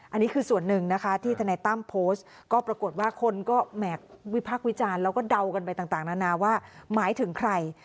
อันนี้คือส่วนหนึ่งนะคะที่ทนายตั้มโพสต์ก็ปรากฏว่าคนก็แหมกวิพักษ์วิจารณ์แล้วก็เดากันไปต่างนานาว่าหมายถึงใคร